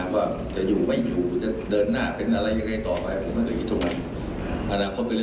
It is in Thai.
ว่าจะอยู่ไหมอยู่จะเดินหน้าเป็นอะไรยังไงต่อไป